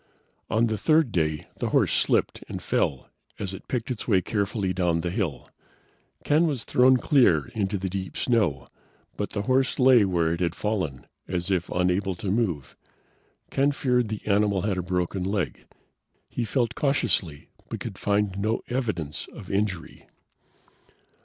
On the third day, the horse slipped and fell as it picked its way carefully down the hill. Ken was thrown clear, into the deep snow, but the horse lay where it had fallen, as if unable to move. Ken feared the animal had broken a leg. He felt cautiously but could find no evidence of injury.